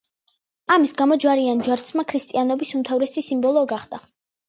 ამის გამო ჯვარი ან ჯვარცმა ქრისტიანობის უმთავრესი სიმბოლო გახდა.